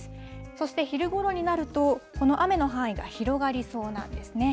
そして昼ごろになると、この雨の範囲が広がりそうなんですね。